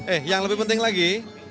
eh yang lebih penting lagi